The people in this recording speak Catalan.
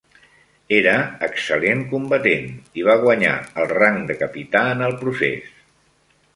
Era excel·lent combatent i va guanyar el rang de capità en el procés.